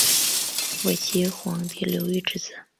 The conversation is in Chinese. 伪齐皇帝刘豫之子。